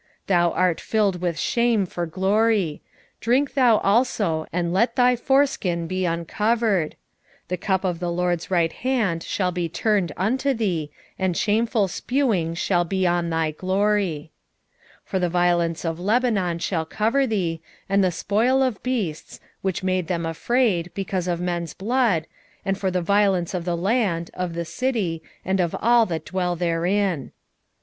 2:16 Thou art filled with shame for glory: drink thou also, and let thy foreskin be uncovered: the cup of the LORD's right hand shall be turned unto thee, and shameful spewing shall be on thy glory. 2:17 For the violence of Lebanon shall cover thee, and the spoil of beasts, which made them afraid, because of men's blood, and for the violence of the land, of the city, and of all that dwell therein.